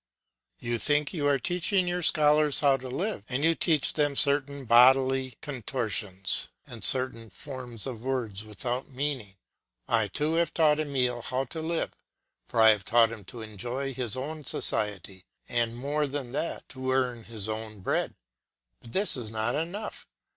You think you are teaching your scholars how to live, and you teach them certain bodily contortions and certain forms of words without meaning. I, too, have taught Emile how to live; for I have taught him to enjoy his own society and, more than that, to earn his own bread. But this is not enough.